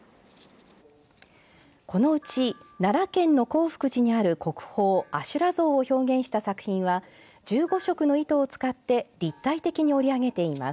このうち奈良県の興福寺にある国宝阿修羅像を表現した作品は１５色の糸を使って立体的に織り上げています。